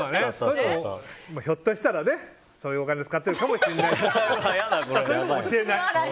ひょっとしたらそういうお金使っているかもしれない。